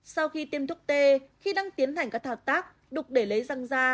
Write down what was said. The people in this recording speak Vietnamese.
sau khi tiêm thuốc t khi đang tiến hành các thao tác đục để lấy răng da